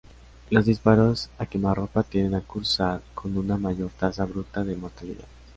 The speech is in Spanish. Los disparos a quemarropa tienden a cursar con una mayor tasa bruta de mortalidad.